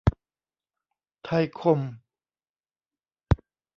ไทยคม